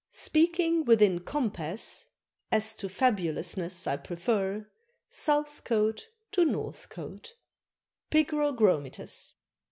Speaking within compass, as to fabulousness I prefer Southcote to Northcote. PIGROGROMITUS.